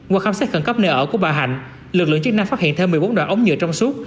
qua khám xét khẩn cấp nơi ở của bà hạnh lực lượng chức năng phát hiện thêm một mươi bốn đoạn ống nhựa trong suốt